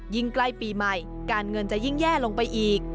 ใกล้ปีใหม่การเงินจะยิ่งแย่ลงไปอีก